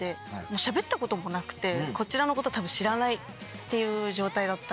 しゃべったこともなくてこちらのこと多分知らないっていう状態だったので。